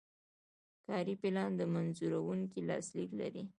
کاري پلان د منظوروونکي لاسلیک لري.